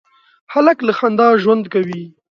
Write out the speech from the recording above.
هلک له خندا ژوند کوي.